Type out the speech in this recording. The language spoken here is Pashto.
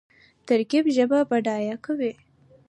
ترکیب ژبه بډایه کوي.